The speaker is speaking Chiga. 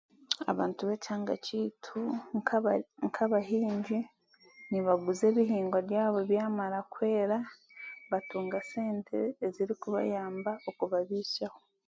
Abantu b'omu kyanga kyaitu nka nk'abahaingi nibaguza ebihingwa byabo byamara kwera batunga sente ezirikubayamba okubabaisaho